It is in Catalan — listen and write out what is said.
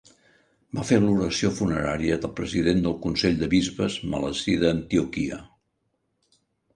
Va fer l'oració funerària del president del consell de bisbes Meleci d'Antioquia.